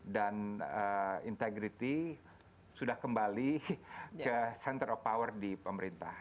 dan integrity sudah kembali ke center of power di pemerintah